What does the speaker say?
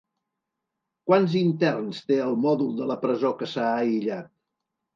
Quants interns té el mòdul de la presó que s'ha aïllat?